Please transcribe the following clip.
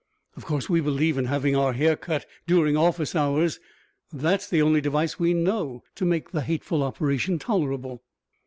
Of course, we believe in having our hair cut during office hours. That is the only device we know to make the hateful operation tolerable.